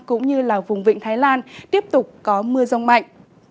cũng như là vùng vịnh thái lan tiếp tục có mưa rông mạnh